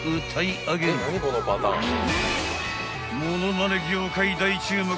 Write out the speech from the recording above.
［ものまね業界大注目！